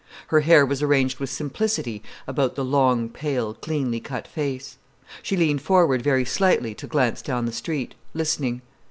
Her hair was arranged with simplicity about the long, pale, cleanly cut face. She leaned forward very slightly to glance down the street, listening.